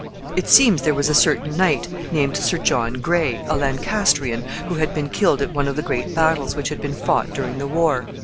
It seems there was a certain knight named Sir John Gray, a Lancastrian, who had been killed at one of the great battles which had been fought during the war.